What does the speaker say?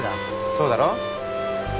そうだろう？